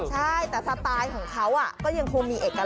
ใช่แต่สไตล์ของเขาก็ก็ยังคงมีเอกลักษณ์